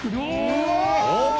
うわ！